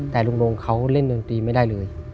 แต่ลุงโรงเขาเล่นดนตรีไม่ได้เลย